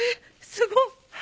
すごっ！